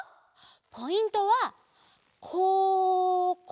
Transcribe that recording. ポイントはここ！